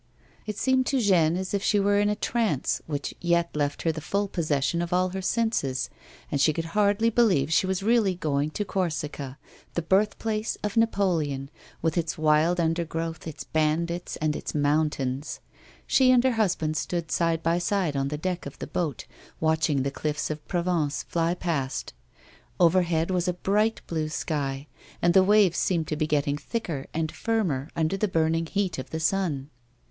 It seemed to Jeanne as if she were in a trance which yet left her the full possession of all her senses, and she could hardly believe she was really going to Corsica, the birthplace of Napoleon, A WOMAN'S LIFE. 63 with its wild undergrowth, its bandits, and its mountains. She and her husband stood side by side on the deck of the boat watching the cliffs of Provence fly past. Overhead was a bright blue sky, and the waves seemed to be getting thicker and firmer under the burning heat of the sun.